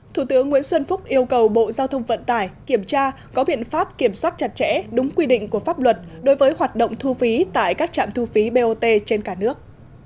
thủ tướng nguyễn xuân phúc yêu cầu bộ giao thông vận tải kiểm tra có biện pháp kiểm soát chặt chẽ đúng quy định của pháp luật đối với hoạt động thu phí tại các trạm thu phí bot trên cả nước